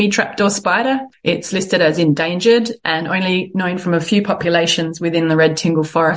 yang dikenal sebagai spidermata